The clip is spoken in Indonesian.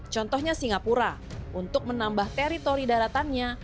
contohnya singapura untuk menambah teritori daratannya